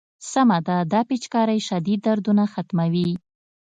سمه ده دا پيچکارۍ شديد دردونه ختموي.